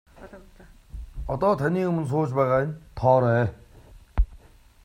Одоо таны өмнө сууж байгаа нь Тоорой.